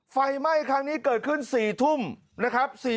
ไฟไหม้ครั้งนี้เกิดขึ้น๔ทุ่มนะครับ